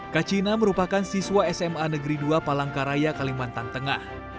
kacina merupakan siswa sma negeri dua palangkaraya kalimantan tengah